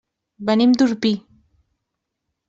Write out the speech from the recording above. Venim d'Orpí.